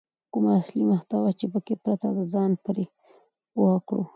کومه اصلي محتوا چې پکې پرته ده ځان پرې پوه کړو.